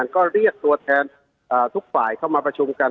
ก็เรียกตัวแทนทุกฝ่ายเข้ามาประชุมกัน